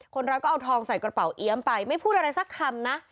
คนร้ายก็เอาทองใส่กระเป๋าเอี๊ยมไปไม่พูดอะไรสักคำนะ